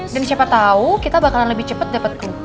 dan siapa tau kita bakalan lebih cepet dapet clue